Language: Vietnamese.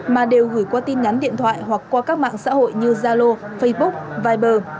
mà đều gửi qua tin nhắn điện thoại hoặc qua các mạng xã hội như zalo facebook viber